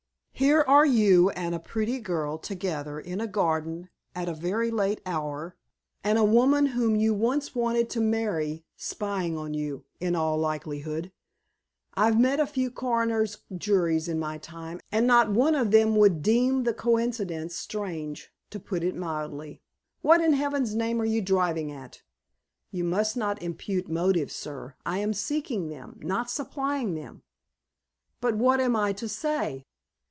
Here are you and a pretty girl together in a garden at a rather late hour, and a woman whom you once wanted to marry spying on you, in all likelihood. I've met a few coroner's juries in my time, and not one of them but would deem the coincidence strange, to put it mildly." "What in Heaven's name are you driving at?" "You must not impute motives, sir. I am seeking them, not supplying them." "But what am I to say?"